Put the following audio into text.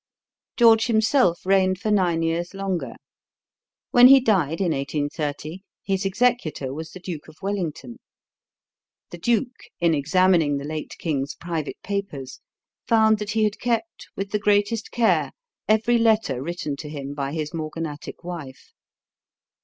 George himself reigned for nine years longer. When he died in 1830 his executor was the Duke of Wellington. The duke, in examining the late king's private papers, found that he had kept with the greatest care every letter written to him by his morganatic wife.